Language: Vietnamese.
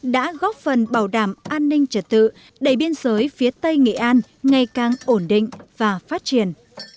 đã góp phần bảo đảm an ninh trật tự đẩy biên giới phía tây nghệ an ngày càng ổn định và phát triển